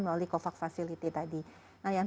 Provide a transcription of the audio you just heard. melalui covax facility tadi nah yang